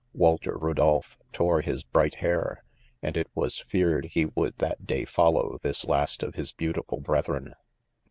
" Walter Eodolph tore his bright hair ;' and it was fear ed he would that day follow this last of his beautiful brethren."